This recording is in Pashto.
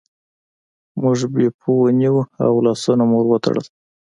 موږ بیپو ونیوه او لاسونه مو ور وتړل.